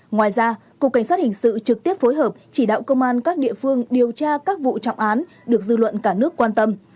ngoài ra cục cảnh sát hình sự trực tiếp phối hợp chỉ đạo công an các địa phương điều tra các vụ trọng án được dư luận cả nước quan tâm